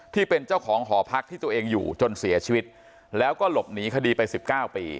ที่เป็นเจ้าของหอพักที่ตัวเองอยู่จนเสียชีวิตแล้วก็หลบหนีคดีไป๑๙ปี